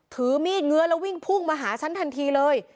ถือมีดเงื้อแล้ววิ่งพุ่งมาหาฉันทันทีเลย